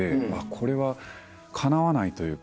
これはかなわないというか。